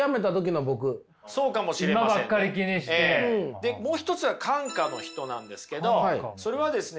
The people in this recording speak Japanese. でもう一つは閑暇の人なんですけどそれはですね